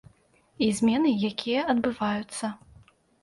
І змены, якія адбываюцца.